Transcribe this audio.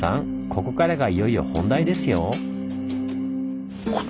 ここからがいよいよ本題ですよ！